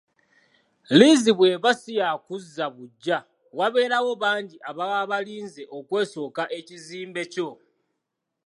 Liizi bw'eba siyaakuzza buggya wabeerawo bangi ababa balinze okwesooka ekizimbe kyo.